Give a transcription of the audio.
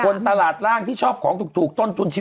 คนตลาดร่างที่ชอบของถูกต้นจน๑๐โอ้ว